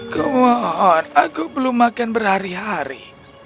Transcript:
come on aku belum makan berhari hari